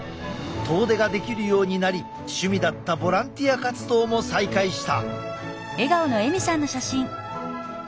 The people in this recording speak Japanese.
遠出ができるようになり趣味だったボランティア活動も再開した。